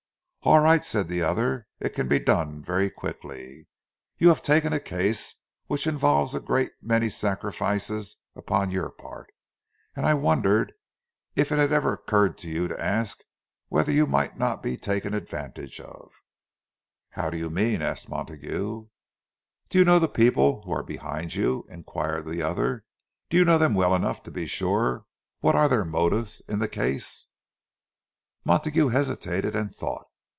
"All right," said the other. "It can be done very quickly. You have taken a case which involves a great many sacrifices upon your part. And I wondered if it had ever occurred to you to ask whether you might not be taken advantage of?" "How do you mean?" asked Montague. "Do you know the people who are behind you?" inquired the other. "Do you know them well enough to be sure what are their motives in the case?" Montague hesitated, and thought.